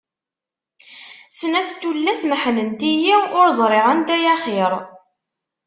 Snat tullas meḥḥnent-iyi, ur ẓriɣ anta ay axir.